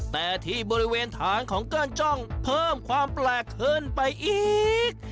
แต่ที่บริเวณฐานของเกิ้ลจ้องเพิ่มความแปลกขึ้นไปอีก